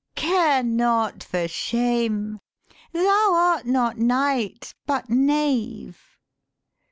Care not for shame: thou art not knight but knave.'